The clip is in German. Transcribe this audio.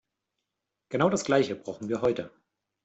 Genau das Gleiche brauchen wir heute.